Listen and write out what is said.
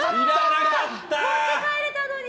持って帰れたのに！